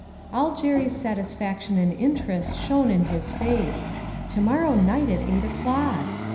" All Jerry's satisfaction and interest shone in his face ; to morrow night at eight o'clock